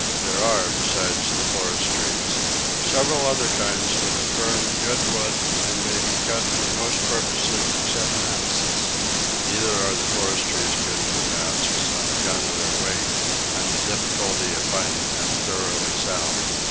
There are, besides the forest trees, several other kinds that are firm good wood and may be cut for most purposes except masts; neither are the forest trees good for masts, on account of their weight, and the difficulty of finding them thoroughly sound.